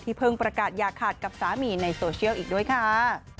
เพิ่งประกาศยาขาดกับสามีในโซเชียลอีกด้วยค่ะ